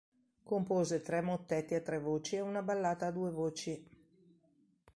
Compose tre mottetti a tre voci e una ballata a due voci.